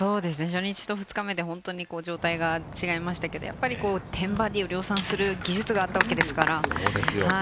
初日と２日目で本当に状態が違いましたけど、やっぱり１０バーディーを量産する技術があったわけですから。